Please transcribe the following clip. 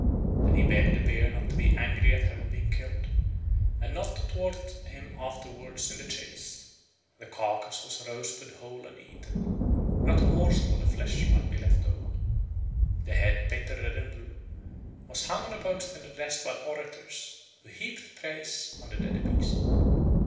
Then he begged the bear not to be angry at having been killed, and not to thwart him afterwards in the chase. The carcase was roasted whole and eaten; not a morsel of the flesh might be left over. The head, painted red and blue, was hung on a post and addressed by orators, who heaped praise on the dead beast.